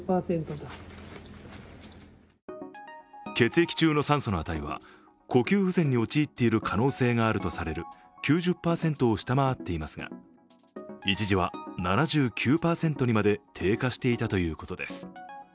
血液中の酸素の値は呼吸不全に陥っている可能性があるとされる９０％を下回っていますが一時は７９％まで低下していたということです。